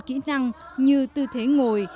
kỹ năng như tư thế ngồi